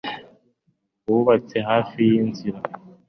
wubatse hafi y'inzira